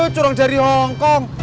curang dari hongkong